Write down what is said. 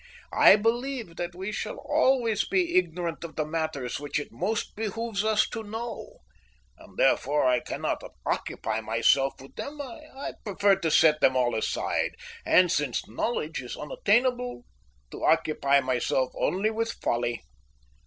I believe that we shall always be ignorant of the matters which it most behoves us to know, and therefore I cannot occupy myself with them. I prefer to set them all aside, and, since knowledge is unattainable, to occupy myself only with folly."